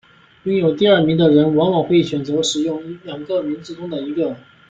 拥有第二名的人往往会选择使用两个名字中的一个。